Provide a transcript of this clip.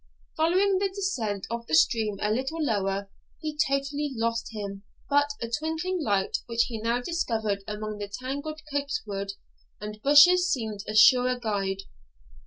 Following the descent of the stream a little lower, he totally lost him, but a twinkling light which he now discovered among the tangled copse wood and bushes seemed a surer guide.